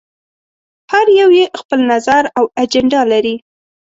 هر يو یې خپل نظر او اجنډا لري.